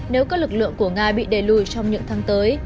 nếu các lực lượng của nga bị đề lùi trong những tháng tới